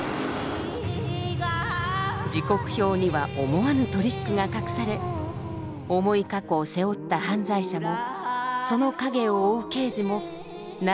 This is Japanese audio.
時刻表には思わぬトリックが隠され重い過去を背負った犯罪者もその影を追う刑事も長く遠い鉄路を行きました。